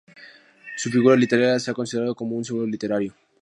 Su figura literaria se ha considerado como un símbolo libertario.